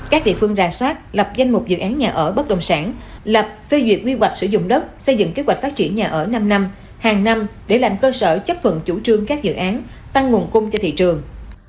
các địa phương ra soát lập danh mục dự án nhà ở bất đồng sản lập phê duyệt quy hoạch sử dụng đất xây dựng kế hoạch phát triển nhà ở năm năm hàng năm để làm cơ sở chấp thuận chủ trương các dự án tăng nguồn cung cho thị trường